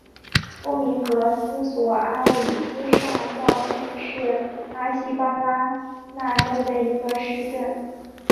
多明戈斯索阿里斯上校镇是巴西巴拉那州的一个市镇。